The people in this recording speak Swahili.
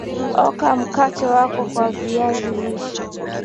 oka mkate wako wa viazi lishe